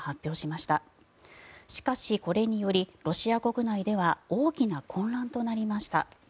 しかしこれによりロシア国内では大きな混乱となりました。